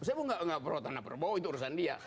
saya pun nggak perlu tanah prabowo itu urusan dia